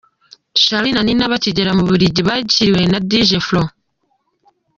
Charly na Nina bakigera mu Bubiligi bakiriwe na Dj Flo.